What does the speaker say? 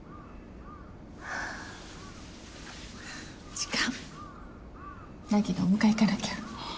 時間凪のお迎え行かなきゃ。